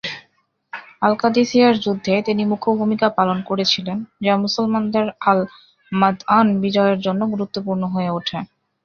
আল-কাদিসিয়ার যুদ্ধে তিনি মুখ্য ভূমিকা পালন করেছিলেন, যা মুসলমানদের আল-মাদ'আন বিজয়ের জন্য গুরুত্বপূর্ণ হয়ে ওঠে।